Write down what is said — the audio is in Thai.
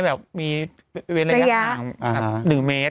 แล้วก็ขอให้มีระยะคามดื่มเมศ